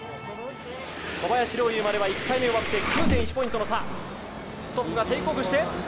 小林陵侑までは１回目を終わって９．１ポイントの差。